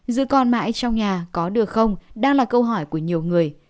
giữ con mãi trong nhà có được không đang là câu hỏi của nhiều người